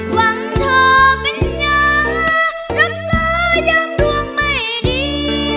หวังเธอเป็นยารักษาอย่างดวงไม่ดี